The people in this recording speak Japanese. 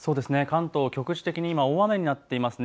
関東、局地的に今大雨になっています。